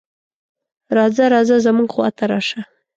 "راځه راځه زموږ خواته راشه".